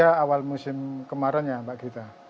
ada yang masuk wilayah ke depan ada yang masuk wilayah ke depan